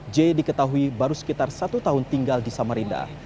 j diketahui baru sekitar satu tahun tinggal di samarinda